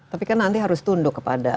tapi kan nanti harus tunduk kepada